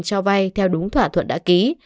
cho vay theo đúng thỏa thuận đã ký